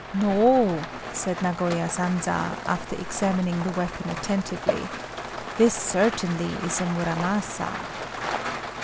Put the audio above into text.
"No," said Nagoya Sanza, after examining the weapon attentively, "this certainly is a Muramasa."